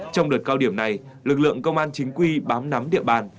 trong đợt cao điểm này lực lượng công an chính quy bám nắm địa bàn